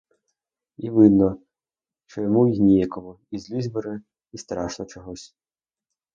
І видно, що йому й ніяково, і злість бере, і страшно чогось.